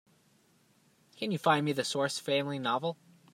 Can you find me The Source Family novel?